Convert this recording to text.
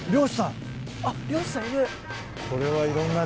あっ漁師さんいる！